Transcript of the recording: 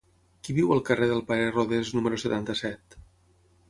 Qui viu al carrer del Pare Rodés número setanta-set?